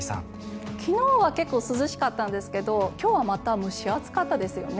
昨日は結構涼しかったんですけど今日はまた蒸し暑かったですよね。